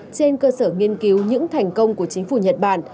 trên cơ sở nghiên cứu những thành công của chính phủ nhật bản